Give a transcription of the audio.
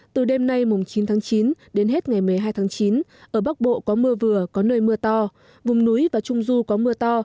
từ đêm nay chín tháng chín đến hết ngày một mươi hai tháng chín ở bắc bộ có mưa vừa có nơi mưa to vùng núi và trung du có mưa to